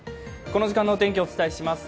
この時間のお天気をお伝えします。